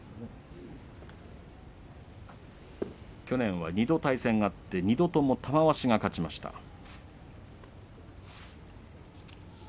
去年は２度対戦があって２度とも玉鷲が勝ちました。